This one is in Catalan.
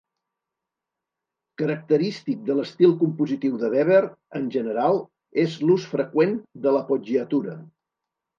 Característic de l'estil compositiu de Weber, en general, és l'ús freqüent de l'appoggiatura.